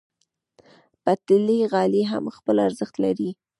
پتېلي غالۍ هم خپل ارزښت لري.